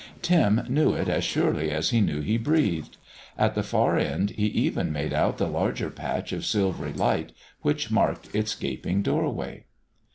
Tim knew it as surely as he knew he breathed. At the far end he even made out the larger patch of silvery light which marked its gaping doorway.